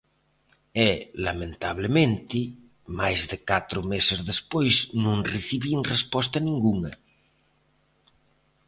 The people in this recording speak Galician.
E, lamentablemente, máis de catro meses despois non recibín resposta ningunha.